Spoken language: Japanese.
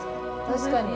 確かに。